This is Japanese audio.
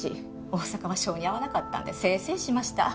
大阪は性に合わなかったんでせいせいしました。